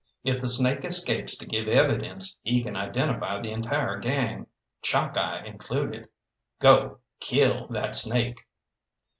If the snake escapes to give evidence, he can identify the entire gang, Chalkeye included. Go kill that snake!"